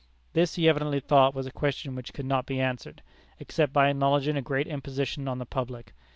This he evidently thought was a question which could not be answered, except by acknowledging a great imposition on the public.